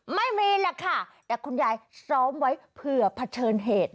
ไม่มีแหละค่ะแต่คุณยายซ้อมไว้เผื่อเผชิญเหตุ